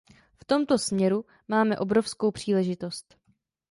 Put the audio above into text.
V tomto směru máme obrovskou příležitost.